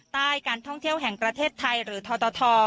การท่องเที่ยวแห่งประเทศไทยหรือทต